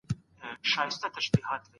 سياستپوهنه بېله سياسي قدرته هيڅ مانا نلري.